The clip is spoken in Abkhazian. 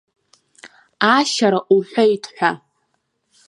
Аашьара уҳәеит ҳәа.